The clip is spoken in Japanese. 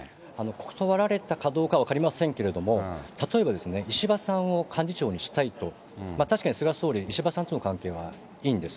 断られたかどうかは分かりませんけれども、例えば石破さんを幹事長にしたいと、確かに菅総理、石破さんとの関係はいいんです。